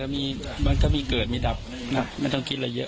เวลาต่างมันก็มีเกิดมีดับมันต้องคิดอะไรเยอะ